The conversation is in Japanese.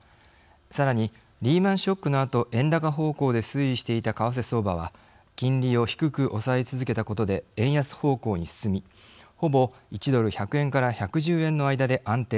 さらに、リーマンショックのあと円高方向で推移していた為替相場は金利を低く抑え続けたことで円安方向に進みほぼ１ドル１００円から１１０円の間で安定。